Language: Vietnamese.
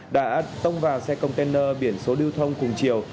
đã tông vào xe container biển số lưu thông cùng chiều